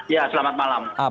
ya selamat malam